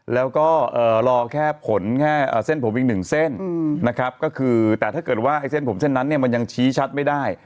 แล้วก็รอแค่ผลแค่เส้นผมอีกหนึ่งเส้นนะครับก็คือแต่ถ้าเกิดว่าไอ้เส้นผมเส้นนั้นเนี่ยมันยังชี้ชัดไม่ได้